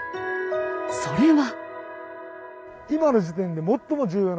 それは。